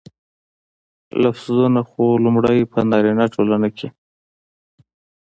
لفظونه خو لومړى په نارينه ټولنه کې